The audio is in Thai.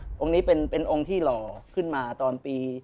องค์นี้เป็นองค์ที่หล่อขึ้นมาตอนปี